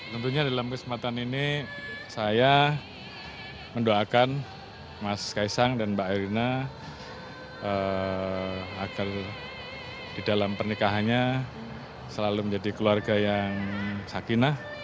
tentunya dalam kesempatan ini saya mendoakan mas kaisang dan mbak erina agar di dalam pernikahannya selalu menjadi keluarga yang sakinah